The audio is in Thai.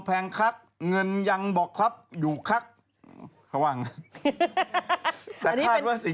ค่าแต่งดองกันค่ากันกัน